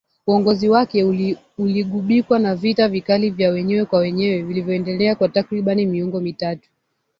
Uongozi wake uligubikwa na vita vikali vya wenyewe kwa wenyewe vilivyoendelea kwa takriban miongo mitatu